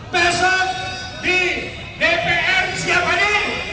pesok di dpr siap hari